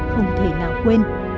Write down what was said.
không thể nào quên